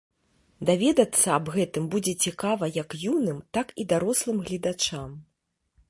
Даведацца аб гэтым будзе цікава як юным, так і дарослым гледачам.